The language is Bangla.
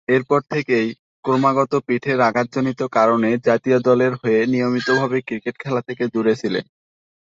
এরপর থেকেই ক্রমাগত পিঠের আঘাতজনিত কারণে জাতীয় দলের হয়ে নিয়মিতভাবে ক্রিকেট খেলা থেকে দূরে ছিলেন।